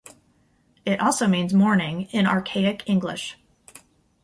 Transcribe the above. It also means "morning" in archaic English.